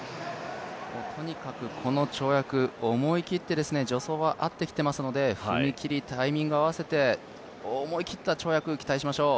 とにかくこの跳躍思い切って助走は合ってきてますので踏み切りタイミングを合わせて、思い切った跳躍を期待しましょう。